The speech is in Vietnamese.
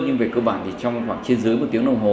nhưng về cơ bản thì trong khoảng trên dưới một tiếng đồng hồ